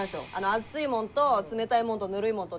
熱いもんと冷たいもんとぬるいもんとで。